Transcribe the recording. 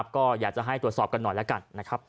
ก็อยากจะให้ตรวจสอบกันหน่อยแล้วกันนะครับ